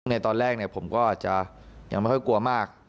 ในตอนแรกผมก็อาจจะยังไม่ค่อยกลัวมาก